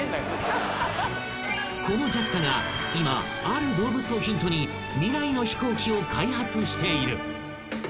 ［このＪＡＸＡが今ある動物をヒントに未来の飛行機を開発している］